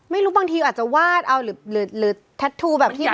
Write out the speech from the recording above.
ไม่รู้บางทีอาจจะวาดเอาหรือแท็ตทูแบบที่อะไร